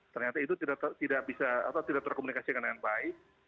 ternyata itu tidak bisa tidak terkomunikasikan dengan baik